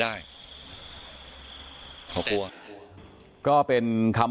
ฐานพระพุทธรูปทองคำ